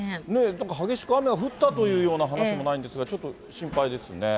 なんか激しく雨が降ったというような話もないんですが、ちょっと心配ですね。